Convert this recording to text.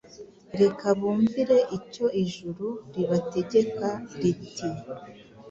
Reka bumvire icyo ijuru ribategeka riti,